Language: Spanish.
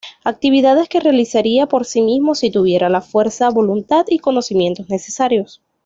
Actividades que realizaría por sí mismo si tuviera la fuerza, voluntad y conocimientos necesarios.